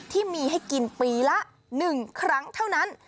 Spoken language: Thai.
ที่มีให้กินปีละ๑ครั้งเท่านั้น